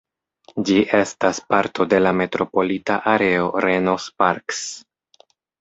Ĝi estas parto de la metropolita areo Reno–Sparks.